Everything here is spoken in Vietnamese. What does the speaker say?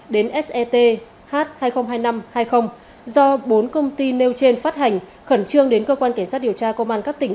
đến set h hai nghìn hai mươi năm hai mươi do bốn công ty nêu trên phát hành khẩn trương đến cơ quan cảnh sát điều tra công an các tỉnh